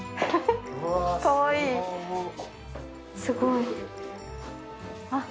すごい。